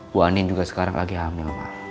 bu anin juga sekarang lagi hamil